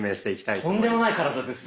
とんでもない体ですね。